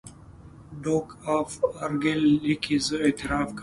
ډوک آف ارګایل لیکي زه اعتراف کوم.